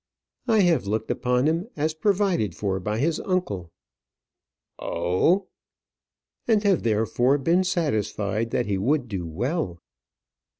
"I have looked upon him as provided for by his uncle." "Oh!" "And have therefore been satisfied that he would do well."